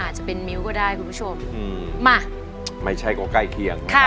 อาจจะเป็นมิ้วก็ได้คุณผู้ชมมาไม่ใช่ก็ใกล้เคียง